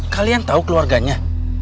kalian tahu keluarganya